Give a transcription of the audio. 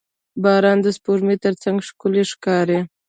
• باران د سپوږمۍ تر څنګ ښکلی ښکاري.